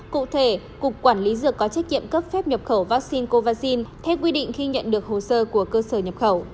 cụ thể cục quản lý dược có trách nhiệm cấp phép nhập khẩu vaccine covid theo quy định khi nhận được hồ sơ của cơ sở nhập khẩu